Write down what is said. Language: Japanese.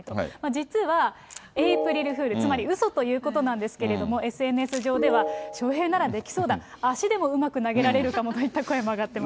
実は、エープリルフール、つまり、うそということなんですけれども、ＳＮＳ上では、ショウヘイならできそうだ、足でもうまく投げられるかもといった声も上がってます。